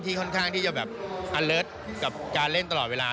ค่อนข้างที่จะแบบอัเลิศกับการเล่นตลอดเวลา